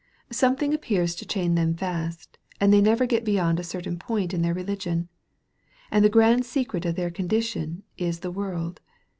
Something appears to chain them fast, and they never get beyond a certain point in their religion. And the grand secret of their condi tion is the world.